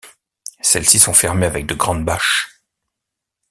Celles-ci sont fermées avec de grandes bâches.